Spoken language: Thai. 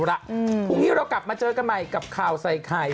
พูดจากนี้ด้วยเรากลับมาเจอกันใหม่กับขอยใส่ไข่